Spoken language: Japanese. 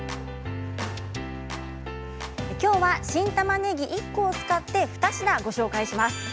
きょうは新たまねぎ１個を使って２品ご紹介します。